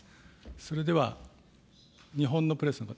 それでは日本のプレスの方。